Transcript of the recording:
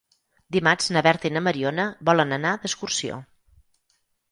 Dimarts na Berta i na Mariona volen anar d'excursió.